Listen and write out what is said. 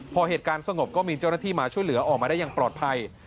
พอเหตุการณ์สงบก็มีเจ้าหน้าที่มาช่วยเหลือออกมาได้อย่างปลอดภัย